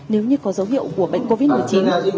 nếu như có dấu hiệu của bệnh covid một mươi chín